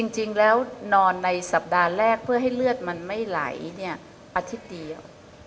จริงแล้วนอนในสัปดาห์แรกเพื่อให้เลือดมันไม่ไหลอาทิตย์เดียว